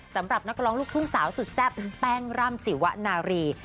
สำหรับนักร้องลูกทุ่งสาวสุดแซ่บคุณแป้งร่ำสีวนารี